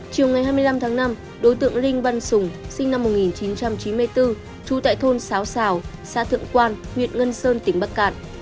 chiều ngày hai mươi năm tháng năm đối tượng linh văn sùng sinh năm một nghìn chín trăm chín mươi bốn trú tại thôn xáo xào xã thượng quan huyện ngân sơn tỉnh bắc cạn